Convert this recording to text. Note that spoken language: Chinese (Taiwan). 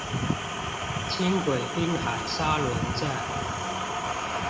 輕軌濱海沙崙站